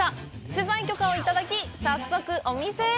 取材許可をいただき、早速、お店へ。